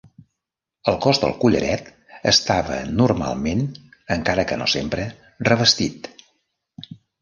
El cos del collaret estava normalment, encara que no sempre, revestit.